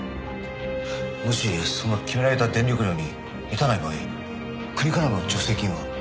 もしその決められた電力量に満たない場合国からの助成金は。